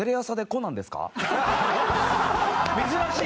珍しい！